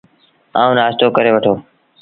آئو، نآشتو ڪري وٺو۔